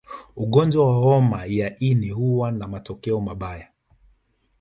Ugonjwa wa homa ya ini huwa na matokeo mabaya